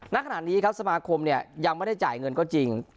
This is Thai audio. ณขณะนี้ครับสมาคมเนี่ยยังไม่ได้จ่ายเงินก็จริง